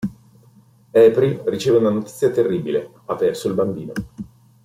April riceve una notizia terribile, ha perso il bambino.